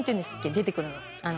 出てくるのあの。